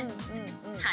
はい。